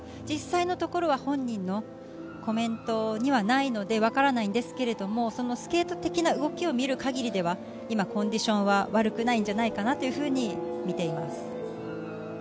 実際のところは本人のコメントにはないので分からないですがスケート的な動きを見る限りでは今、コンディションは悪くないんじゃないかなというふうに見ています。